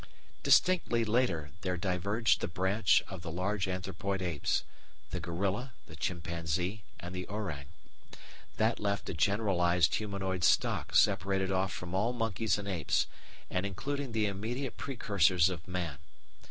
Distinctly later there diverged the branch of the large anthropoid apes the gorilla, the chimpanzee, and the orang. That left a generalised humanoid stock separated off from all monkeys and apes, and including the immediate precursors of man.